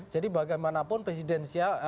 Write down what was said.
jadi bagaimanapun presidensial